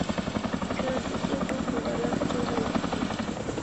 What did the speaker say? كۆردىكى، ئۇ پۇلدارلار ئۈچۈن جەننەت ئىكەن.